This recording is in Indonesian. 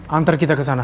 antar kita kesana